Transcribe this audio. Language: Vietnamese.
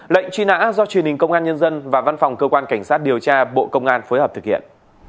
lệnh truy nã do truyền hình công an nhân dân và văn phòng cơ quan cảnh sát điều tra bộ công an phối hợp thực hiện